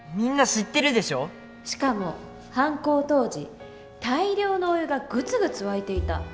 しかも犯行当時大量のお湯がグツグツ沸いていた。